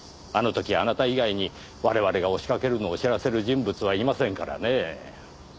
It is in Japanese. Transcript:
あの時あなた以外に我々が押しかけるのを知らせる人物はいませんからね。